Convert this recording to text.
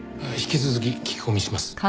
引き続き聞き込みします。